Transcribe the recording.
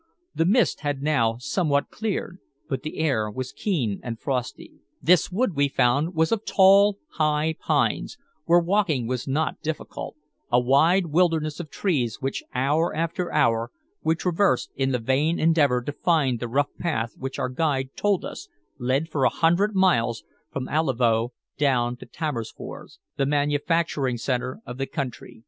The mist had now somewhat cleared, but the air was keen and frosty. This wood, we found, was of tall high pines, where walking was not difficult, a wide wilderness of trees which, hour after hour, we traversed in the vain endeavor to find the rough path which our guide told us led for a hundred miles from Alavo down to Tammerfors, the manufacturing center of the country.